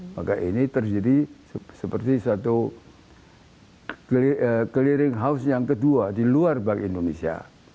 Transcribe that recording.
maka ini terjadi seperti satu clearing house yang kedua di luar bank indonesia